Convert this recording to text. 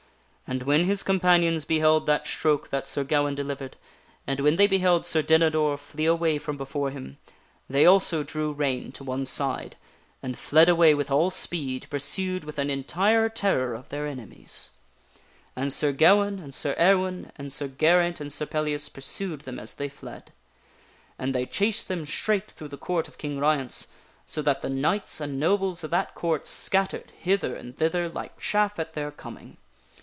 And when his companions f der beheld that stroke that Sir Gawaine delivered, and when they beheld Sir Dinador flee away from before him, they also drew rein to one side and 1 3 o THE WINNING OF A QUEEN fled away with all speed, pursued with an entire terror of their enemies. And Sir Gawaine and Sir Ewaine and Sir Geraint and Sir Pellias pursued them as they fled. And they chased them straight through the Court of King Ryence, so that the knights and nobles of that Court scattered hither and thither like chaff at their coming.